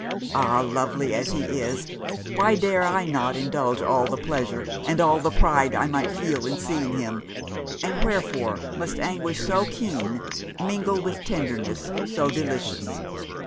Ah! lovely as he is, why dare I not indulge all the pleasure and all the pride I might feel in seeing him; and wherefore must anguish so keen mingle with tenderness so delicious!